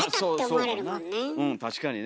うん確かにね。